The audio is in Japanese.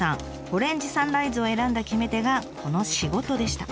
オレンジサンライズを選んだ決め手がこの「仕事」でした。